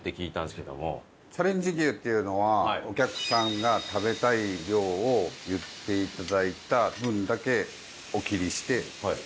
チャレンジ牛っていうのはお客さんが食べたい量を言って頂いた分だけお切りして出すっていう。